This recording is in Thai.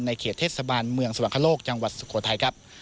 เขตเทศบาลเมืองสวรรคโลกจังหวัดสุโขทัยครับ